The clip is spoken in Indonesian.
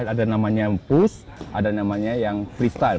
ada namanya push ada namanya yang freestyle